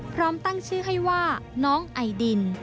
พร้อมตั้งชื่อให้ว่าน้องไอดิน